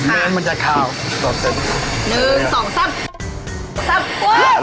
แม้มันจะขาว